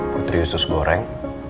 putri usus goreng